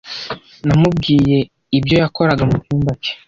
Namubwiye ibyo yakoraga mucyumba cye.